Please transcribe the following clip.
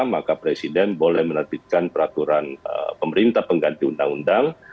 maka presiden boleh menerbitkan peraturan pemerintah pengganti undang undang